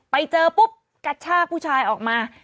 ไปเจอปุ๊บกระชากผู้ชายออกมา